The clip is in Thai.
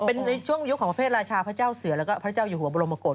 เป็นในช่วงยุคของประเภทราชาพระเจ้าเสือแล้วก็พระเจ้าอยู่หัวบรมกฏ